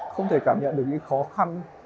không thể cảm nhận được những khó khăn